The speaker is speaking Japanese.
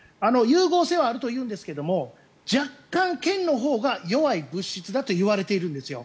融合性はあるといわれるんですが若干、腱のほうが弱いと言われているんです。